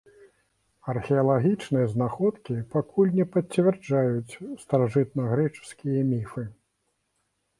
Археалагічныя знаходкі пакуль не пацвярджаюць старажытнагрэчаскія міфы.